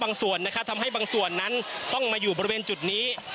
บางส่วนนะครับทำให้บางส่วนนั้นต้องมาอยู่บริเวณจุดนี้